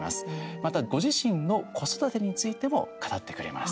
また、ご自身の子育てについても語ってくれます。